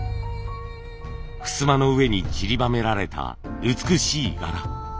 ふすまの上にちりばめられた美しい柄。